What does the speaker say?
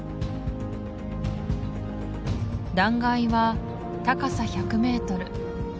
断崖は高さ１００メートル